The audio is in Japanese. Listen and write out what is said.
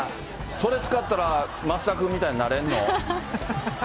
それ使ったら松田君みたいになれるの？